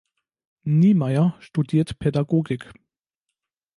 Niemeyer studiert Pädagogik.